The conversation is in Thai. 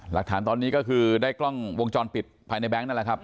หลักฐานตอนนี้ก็คือได้กล้องวงจรปิดภายในแบงค์นั่นแหละครับ